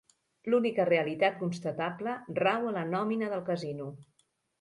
L'única realitat constatable rau a la nòmina del casino.